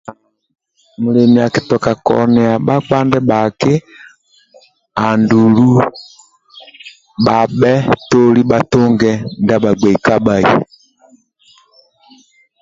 Mulemi akitoka konia bhakpa ndibhaki andulu bhabhe toli bhatunge ndia bhagebi kabhai